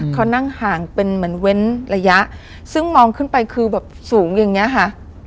เขานั่งห่างเป็นเหมือนเว้นระยะซึ่งมองขึ้นไปคือแบบสูงอย่างเงี้ยค่ะ